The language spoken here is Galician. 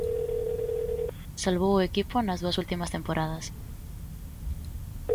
Salvou o equipo nas dúas últimas temporadas.